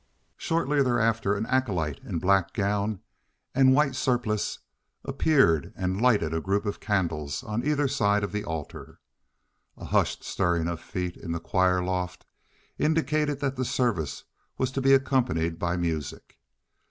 Shortly thereafter an acolyte in black gown and white surplice appeared and lighted groups of candles on either side of the altar. A hushed stirring of feet in the choir loft indicated that the service was to be accompanied by music.